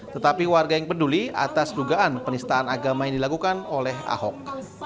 tetapi warga yang peduli atas dugaan penistaan agama yang dilakukan oleh ahok